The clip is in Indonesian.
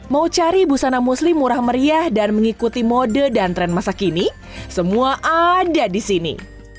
mau cari busana muslim murah meriah dan mengikuti mode dan tren masa kini semua ada di sini